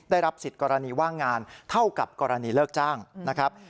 ได้รับสิทธิ์กรณีว่างงานเท่ากับกรณีเลิกจ้างนะครับ